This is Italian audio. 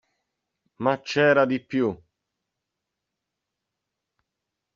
Ma c'era di più!